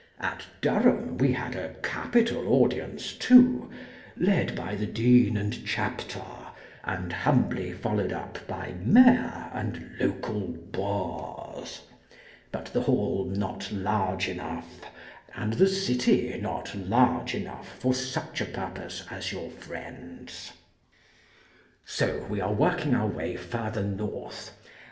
At Durham we had a capital audience too — led by Dean and Chapter, and humbly followed up by Mayor and local Bores — but the Hall not large enough, and the City not large enough, for such a purpose as your friend's. So, we are working our way further North.